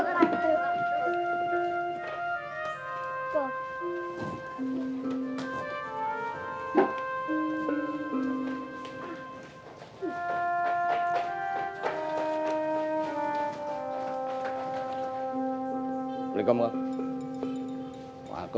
assalamualaikum warahmatullahi wabarakatuh